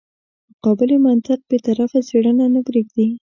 مقابلې منطق بې طرفه څېړنه نه پرېږدي.